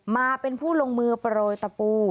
มาเป็นผู้ลงมือโปรยตะปู